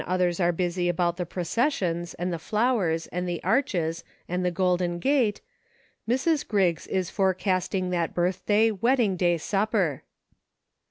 others are busy about the processions, and the flowers, and the arches, and the golden gate — Mrs. Griggs is forecasting that birthday, wedding day supper.